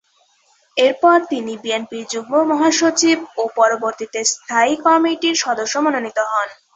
এরপর তিনি বিএনপির যুগ্ম মহাসচিব ও পরবর্তীতে স্থায়ী কমিটির সদস্য মনোনীত হন।